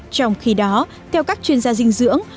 trong khi đó theo các chuyên gia dinh dưỡng